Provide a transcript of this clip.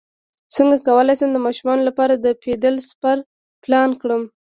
څنګه کولی شم د ماشومانو لپاره د پیدل سفر پلان کړم